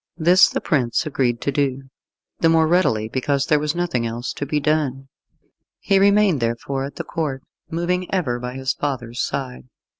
This the prince agreed to do the more readily because there was nothing else to be done. He remained therefore at the Court, moving ever by his father's side.